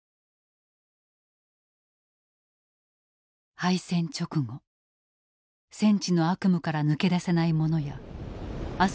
敗戦直後戦地の悪夢から抜け出せない者や明日